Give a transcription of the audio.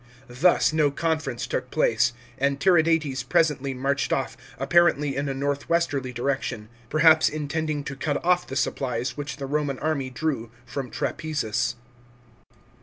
Thus no conference took place, and Tiridates presently marched off, apparently in a north westerly direction, perhaps intending to cut off the supplies which the Roman army drew from Trapezus.